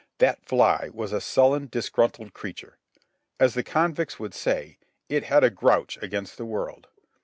That fly was a sullen, disgruntled creature. As the convicts would say, it had a "grouch" against the world.